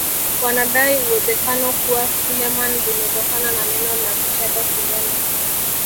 Wanadai uwezekano kuwa Kileman limetokana na neno la Kichaga kileme